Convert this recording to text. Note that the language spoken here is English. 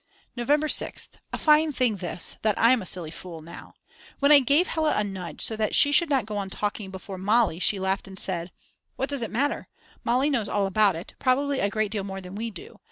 November 6th. A fine thing this, that I'm a silly fool now. When I gave Hella a nudge so that she should not go on talking before Mali, she laughed and said: What does it matter, Mali knows all about it, probably a great deal more than we do.